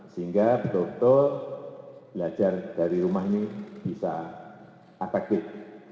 sehingga betul betul belajar dari rumah ini bisa efektif